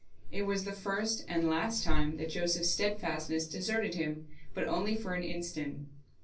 It was the first and the last time that Joseph's steadfastness deserted him, but only for an instant.